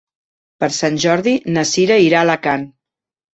Per Sant Jordi na Cira irà a Alacant.